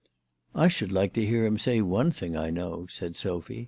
" I should like to hear him say one thing I know," said Sophy.